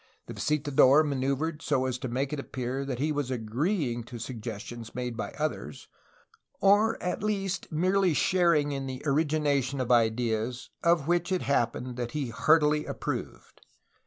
The visitador maneuvered so as to make it appear that he was agreeing to suggestions made by others, or at least merely sharing in the origination of ideas of which it happened that he heartily approved.